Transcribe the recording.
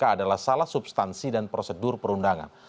adalah salah substansi dan prosedur perundangan